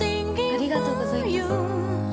ありがとうございます。